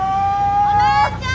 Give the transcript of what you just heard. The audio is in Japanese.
お姉ちゃん！